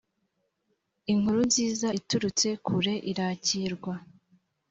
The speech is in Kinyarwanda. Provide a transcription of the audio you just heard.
inkuru nziza iturutse kure irakirwa